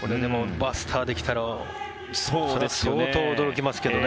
バスターで来たら相当驚きますけどね。